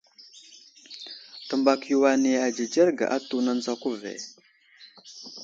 Təmbak yo ane adzədzerge atu, nənzako ve.